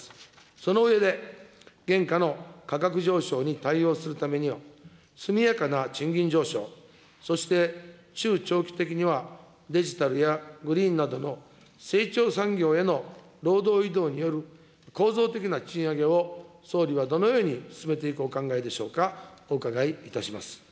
その上で、現下の価格上昇に対応するために、速やかな賃金上昇、そして中長期的にはデジタルやグリーンなどの成長産業への労働移動による構造的な賃上げを総理はどのように進めていくお考えでしょうか、お伺いいたします。